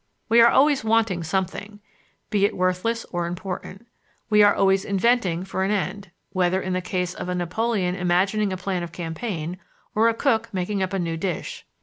We are always wanting something, be it worthless or important. We are always inventing for an end whether in the case of a Napoleon imagining a plan of campaign, or a cook making up a new dish.